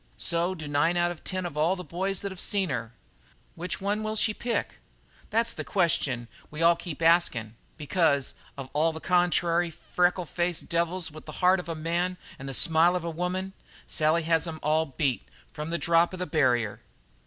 So do nine out of ten of all the boys that've seen her. Which one will she pick? That's the question we all keep askin', because of all the contrary, freckle faced devils with the heart of a man an' the smile of a woman, Sally has 'em all beat from the drop of the barrier.